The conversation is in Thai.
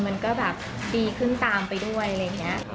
มันก็แบบดีขึ้นตามไปด้วยอะไรอย่างนี้